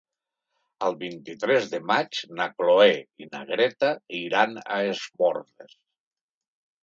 El vint-i-tres de maig na Cloè i na Greta iran a Es Bòrdes.